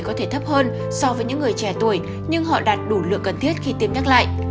có thể thấp hơn so với những người trẻ tuổi nhưng họ đạt đủ lượng cần thiết khi tiêm nhắc lại